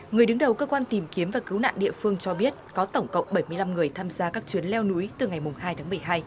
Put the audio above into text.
người đứng đầu cơ quan tìm kiếm và cứu nạn địa phương cho biết có tổng cộng bảy mươi năm người tham gia các chuyến leo núi từ ngày hai tháng một mươi hai